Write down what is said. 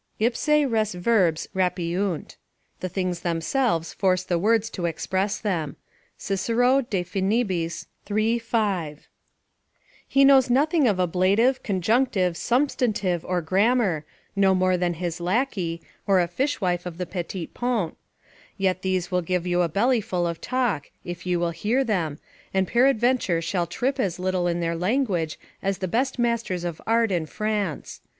"Ipsae res verbs rapiunt." ["The things themselves force the words to express them." Cicero, De Finib., iii. 5.] He knows nothing of ablative, conjunctive, substantive, or grammar, no more than his lackey, or a fishwife of the Petit Pont; and yet these will give you a bellyful of talk, if you will hear them, and peradventure shall trip as little in their language as the best masters of art in France.